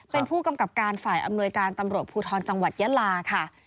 เป็นผู้กำกับการฝ่ายอำนวยการตำรวจภูทรจังหวัดยะลาค่ะ